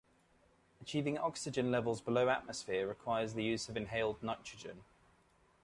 Achieving oxygen levels below atmosphere requires the use of inhaled nitrogen.